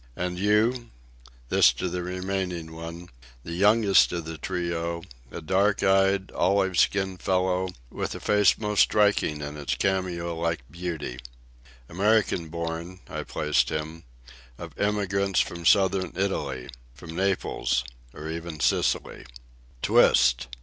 "And you?"—this to the remaining one, the youngest of the trio, a dark eyed, olive skinned fellow with a face most striking in its cameo like beauty. American born, I placed him, of immigrants from Southern Italy—from Naples, or even Sicily. "Twist